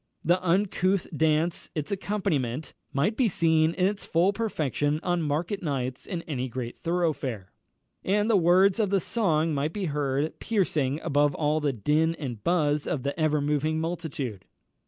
The uncouth dance, its accompaniment, might be seen in its full perfection on market nights in any great thoroughfare; and the words of the song might be heard, piercing above all the din and buzz of the ever moving multitude.